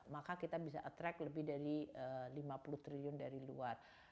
maka kita bisa attract lebih dari lima puluh triliun dari luar